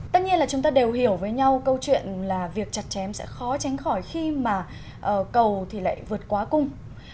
tất nhiên là chúng ta đều hiểu với nhau câu chuyện là việc chặt chém sẽ khó tránh khỏi khi mà cầu thì lại vượt quá cung